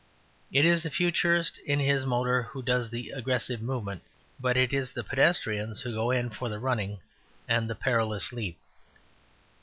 It is the Futurist in his motor who does the "aggressive movement," but it is the pedestrians who go in for the "running" and the "perilous leap."